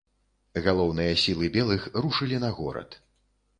Галоўныя сілы белых рушылі на горад.